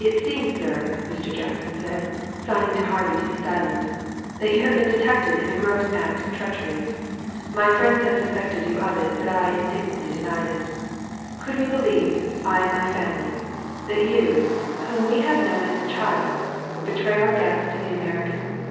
"It seems, sir," Mr. Jackson said, signing to Harvey to be silent, "that you have been detected in a gross act of treachery. My friends have suspected you of it, but I indignantly denied it. Could we believe, I and my family, that you, whom we have known as a child, would betray our guests to the Americans?